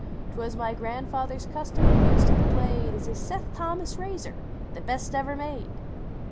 Twas my grandfather s custom to boast of the blade As A Seth Thomas razor the best ever made